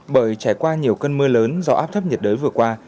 bởi trải qua nhiều cơn mưa lớn do áp thấp nhiệt đới vừa qua